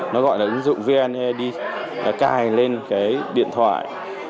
nó gọi là ứng dụng vne cài lên cái điện thoại